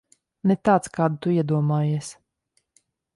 Ne tāds, kādu tu iedomājies.